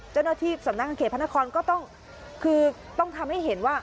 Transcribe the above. เจ้าหน้าที่สำนักงานเขตพระนครก็ต้องคือต้องทำให้เห็นว่า